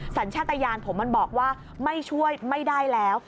สัญชาติยานผมมันบอกว่าไม่ช่วยไม่ได้แล้ว